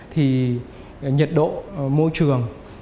thì nhiệt độ môi trường